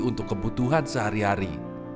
untuk kebutuhan sehari hari